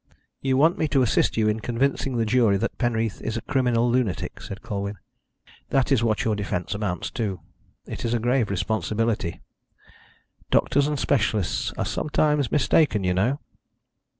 "You want me to assist you in convincing the jury that Penreath is a criminal lunatic," said Colwyn. "That is what your defence amounts to. It is a grave responsibility. Doctors and specialists are sometimes mistaken, you know."